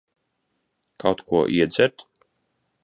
Kaut ko iedzert?